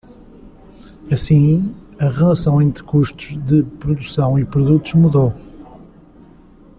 Assim, a relação entre custos de produção e produtos mudou.